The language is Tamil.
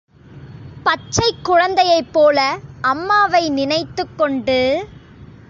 பச்சைக் குழந்தையைப்போல, அம்மாவை நினைத்துக்கொண்டு...!